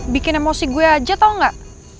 bikin emosi gue aja tau gak